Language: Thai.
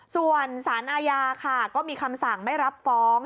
ส่วนสารอาญาค่ะก็มีคำสั่งไม่รับฟ้อง